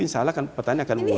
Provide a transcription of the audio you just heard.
insya allah petani akan mulai